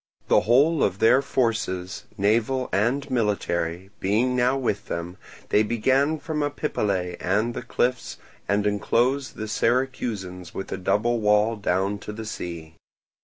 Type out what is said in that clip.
The whole of their forces, naval and military, being now with them, they began from Epipolae and the cliffs and enclosed the Syracusans with a double wall down to the sea.